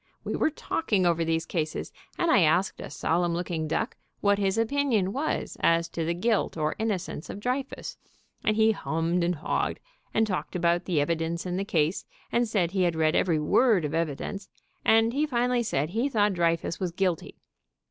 We were talking over these cases, and I asked a solemn looking duck what his opinion was as to the guilt or innocence of Drey fus, and he hummed, and hawed, and talked about the evidence in the case, and said he had read every word of evidence, and he finally said he thought Dreyfus was guilty.